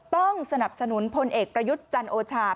ต้องสนับสนุนพลเอกประยุทธ์จันโอชา